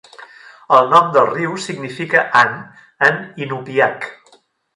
El nom del riu significa "ant" en inupiaq.